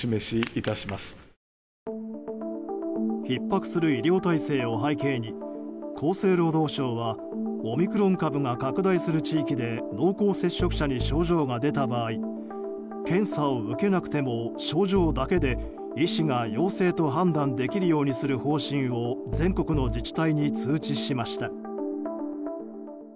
ひっ迫する医療体制を背景に厚生労働省はオミクロン株が拡大する地域で濃厚接触者に症状が出た場合検査を受けなくても症状だけで医師が陽性と判断できるようにする方針を全国の自治体に通知しました。